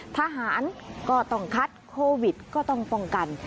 ทหารก็ต้องคัดโควิดก็ต้องป้องกัน